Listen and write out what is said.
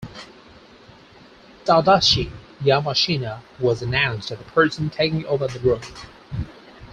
Tadashi Yamashina was announced as the person taking over the role.